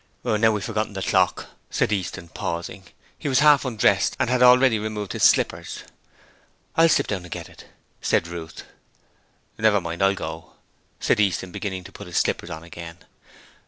'Now we've forgot the clock,' said Easton, pausing. He was half undressed and had already removed his slippers. 'I'll slip down and get it,' said Ruth. 'Never mind, I'll go,' said Easton, beginning to put his slippers on again.